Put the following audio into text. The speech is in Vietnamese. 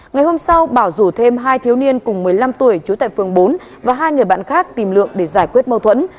ngày hôm sau bảo rủ thêm hai thiếu niên cùng một mươi năm tuổi trú tại phường bốn và hai người bạn khác tìm lượng để giải quyết mâu thuẫn